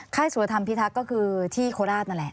สุรธรรมพิทักษ์ก็คือที่โคราชนั่นแหละ